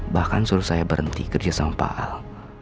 bahkan suruh saya berhenti kerja sama pak al